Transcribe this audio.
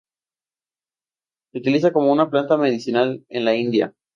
Se utiliza como una planta medicinal en la India.